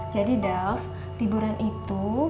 jadi dav liburan itu